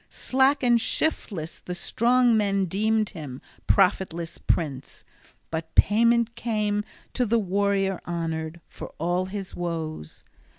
Slack and shiftless the strong men deemed him, profitless prince; but payment came, to the warrior honored, for all his woes.